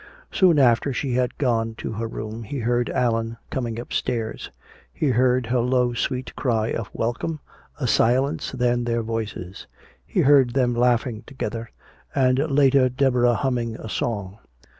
Soon after she had gone to her room, he heard Allan coming upstairs. He heard her low sweet cry of welcome, a silence, then their voices. He heard them laughing together and later Deborah humming a song.